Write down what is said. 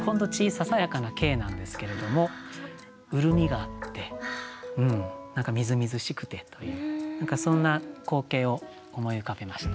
ささやかな景なんですけれども潤みがあって何かみずみずしくてという何かそんな光景を思い浮かべました。